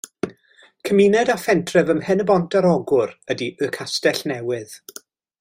Cymuned a phentref ym Mhen-y-bont ar Ogwr ydy Y Castellnewydd.